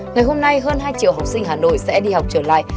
ngày hôm nay hơn hai triệu học sinh hà nội sẽ đi học trở lại